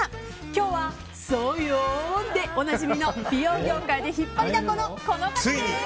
今日は、そうよでおなじみの美容業界で引っ張りだこのこの方です。